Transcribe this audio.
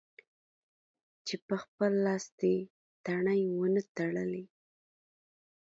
چې په خپل لاس دې تڼۍ و نه تړلې.